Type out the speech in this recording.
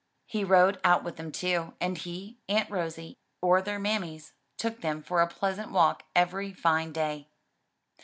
He rode out with them too, and he, Aunt Rosie or their mammies, took them for a pleasant walk every fine day.